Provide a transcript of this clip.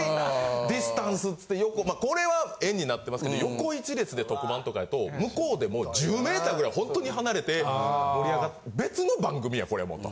ディスタンスっつって横これは円になってますけど横一列で特番とかやと向こうでもう１０メーターぐらいほんとに離れて盛り上がって別の番組やこれもと。